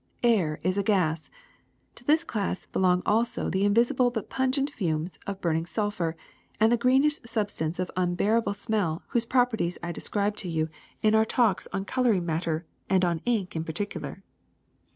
Air is a gas. To this class belong also the invisible but pungent fumes of burning sulphur, and the greenish substance of unbearable smell whose properties I described to you in our talks on coloring THE THREE STATES OF MATTER 233 matter and on ink in particular.